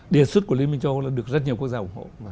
đề xuất của liên minh châu âu là được rất nhiều quốc gia ủng hộ